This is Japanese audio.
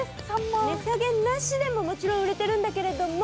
値下げなしでももちろん売れてるんだけれども。